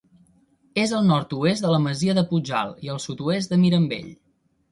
És al nord-oest de la masia de Puig-alt i al sud-oest de Mirambell.